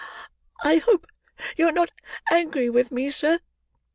"I hope you are not angry with me, sir?"